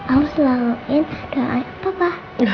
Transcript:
aku selaluin doa ayah papa